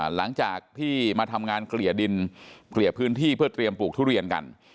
หลังจากที่มาทำงานเกลี่ยดินเกลี่ยพื้นที่เพื่อเตรียมปลูกทุเรียนกัน